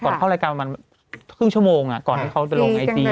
เข้ารายการประมาณครึ่งชั่วโมงก่อนที่เขาจะลงไอจี